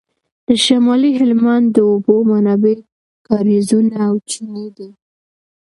د شمالي هلمند د اوبو منابع کاریزونه او چینې دي